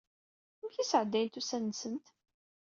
Amek i sɛeddayent ussan-nsent?